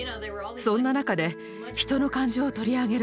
そんな中で人の感情を取り上げる